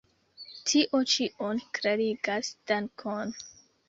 Tio ĉion klarigas, dankon!